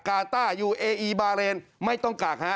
กาต้าอยู่เออีบาเรนไม่ต้องกักฮะ